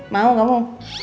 mau enggak mau